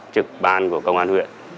trực ban của công an huyện